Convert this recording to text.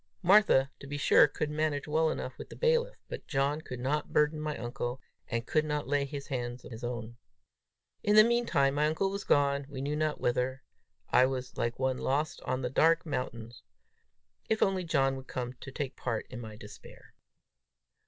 Martha, to be sure, could manage well enough with the bailiff, but John could not burden my uncle, and could not lay his hands on his own! In the mean time my uncle was gone we knew not whither! I was like one lost on the dark mountains. If only John would come to take part in my despair!